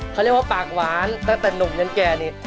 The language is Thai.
เขาเรียกว่าปากหวานตั้งแต่หนุ่มยังแก่นี่